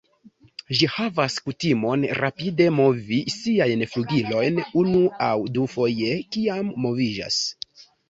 Ĝi havas kutimon rapide movi siajn flugilojn unu aŭ dufoje kiam moviĝas.